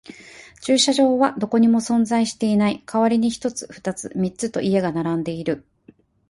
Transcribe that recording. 駐車場はどこにも存在していない。代わりに一つ、二つ、三つと家が並んでいる。